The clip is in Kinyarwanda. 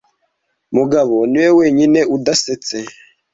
Mugabo niwe wenyine udasetse